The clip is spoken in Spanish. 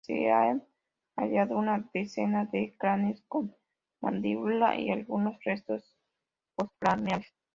Se han hallado una decena de cráneos con mandíbula y algunos restos postcraneales.